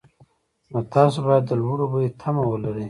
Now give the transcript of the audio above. نو تاسو باید د لوړو بیو تمه ولرئ